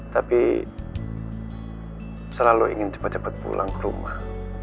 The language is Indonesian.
tapi selalu ingin cepet cepet pulang ke rumah